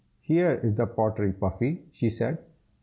"Here is the pottery, Puffy!" she said.